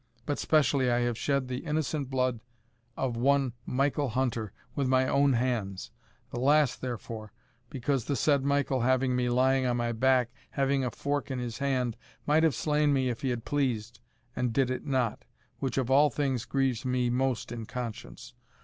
But specially I have shed the innocent blood of one Michael Hunter with my own hands. Alas, therefore! because the said Michael, having me lying on my back, having a fork in his hand, might have slain me if he had pleased, and did it not, which of all things grieves me most in conscience.